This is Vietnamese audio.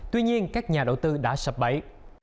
tuy nhiên các nhà đầu tư đã sập bẫy